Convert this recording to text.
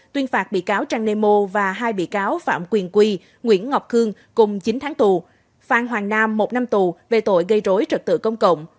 tuyên phạt bị cáo trang nemo và hai bị cáo phạm quyền quy nguyễn ngọc khương cùng chín tháng tù phan hoàng nam một năm tù về tội gây rối trật tự công cộng